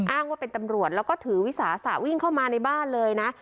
อ้างว่าเป็นตำรวจแล้วก็ถือวิสาสะวิ่งเข้ามาในบ้านเลยนะ